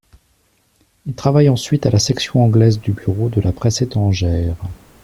Il travaille ensuite à la section anglaise du Bureau de la presse étrangère.